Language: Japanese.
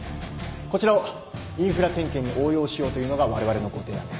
こちらをインフラ点検に応用しようというのがわれわれのご提案です。